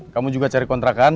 kamu juga cari kontrakan